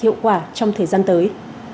hiệu quả trong thời gian tới